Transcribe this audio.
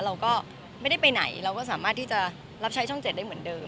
เราก็ไม่ได้ไปไหนเราก็สามารถที่จะรับใช้ช่อง๗ได้เหมือนเดิม